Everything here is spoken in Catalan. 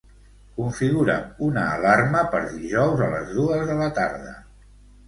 Configura'm una alarma per dijous a les dues de la tarda.